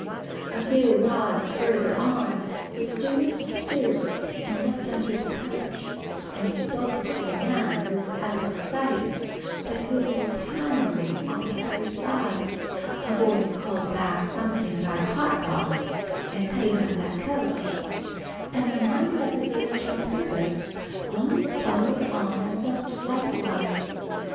A few rods further on, the steward stooped and looked under the coach, and spoke to a man who was out of sight, but who was hammering on the other side. A voice called back something about a hot box and cutting out that coach, and reminded of his original purpose, Will'm followed on and looked, likewise.